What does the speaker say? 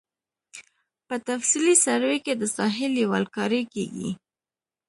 په تفصیلي سروې کې د ساحې لیول کاري کیږي